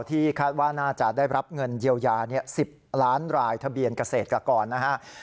ที่คาดว่าน่าจะได้รับเงินเยียวยา๑๐ล้านรายทะเบียนเกษตรกรนะครับ